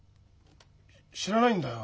知らないんだよ。